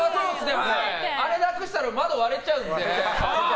あれなくしたら窓割れちゃうんで。